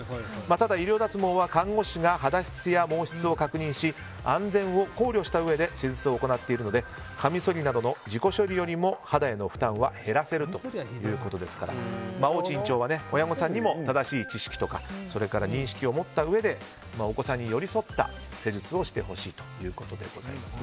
ただ、医療脱毛は看護師が肌質や毛質を確認し安全を考慮したうえで施術を行っているのでカミソリなどの自己処理よりも肌への負担は減らせるということですから大地院長は親御さんにも正しい知識や認識を持ってお子さんに寄り添った施術をしてほしいということです。